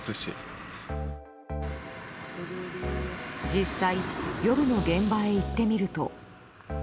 実際、夜の現場へ行ってみると。